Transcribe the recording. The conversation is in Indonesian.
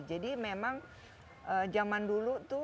jadi memang zaman dulu itu